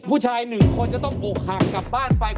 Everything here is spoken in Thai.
ผู้ชายหนึ่งคนจะต้องอกหักกลับบ้านไป